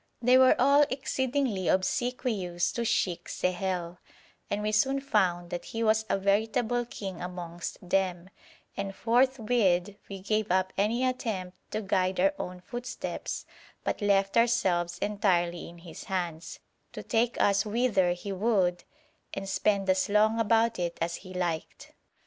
They were all exceedingly obsequious to Sheikh Sehel, and we soon found that he was a veritable king amongst them, and forthwith we gave up any attempt to guide our own footsteps, but left ourselves entirely in his hands, to take us whither he would and spend as long about it as he liked.